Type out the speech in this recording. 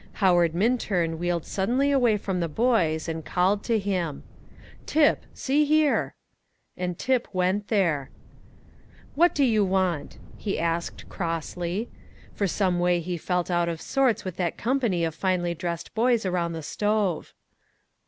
Howard Minturn wheeled suddenly away from the boys, and called to him, "Tip, see here." And Tip went there. "What do you want?" he asked crossly; for some way he felt out of sorts with that company of finely dressed boys around the stove.